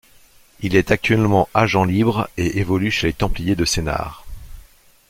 Il est actuellement agent libre et évolue chez les Templiers de Sénart.